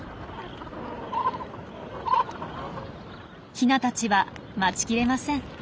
ヒナたちは待ちきれません。